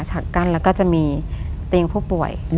ฉากกั้นแล้วก็จะมีเตียงผู้ป่วย